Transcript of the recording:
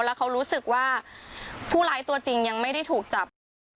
แล้วเขารู้สึกว่าผู้ร้ายตัวจริงยังไม่ได้ถูกจับ